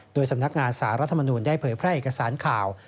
โดยสำนักงานสารรัฐมนูลได้เผยแพร่เอกสารข่าว